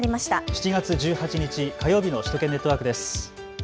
７月１８日火曜日の首都圏ネットワークです。